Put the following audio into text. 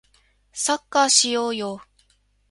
サッカーしようよ